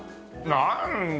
なんだ。